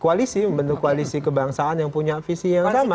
koalisi membentuk koalisi kebangsaan yang punya visi yang sama